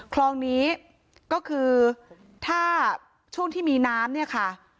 คลองนี้ก็คือถ้าช่วงที่มีน้ำเนี่ยค่ะ